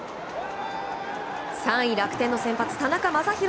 ３位楽天の先発、田中将大